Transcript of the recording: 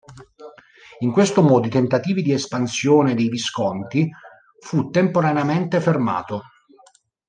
In questo modo i tentativi di espansione dei Visconti fu temporaneamente fermato.